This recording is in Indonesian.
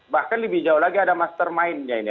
bahkan lebih jauh lagi ada mastermind nya ini